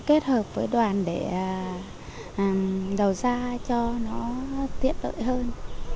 kết hợp với đoàn để đầu ra cho nó tiện lợi hơn